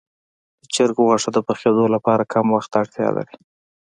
د چرګ غوښه د پخېدو لپاره کم وخت ته اړتیا لري.